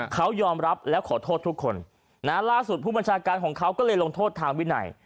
เขายอมรับและขอโทษทุกคนล่าสุดผู้บัญชาการของเขาก็เลยลงโทษทางวินัย